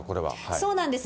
そうなんです。